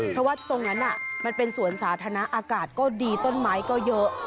เพราะว่าตรงนั้นมันเป็นสวนสาธารณะอากาศก็ดีต้นไม้ก็เยอะ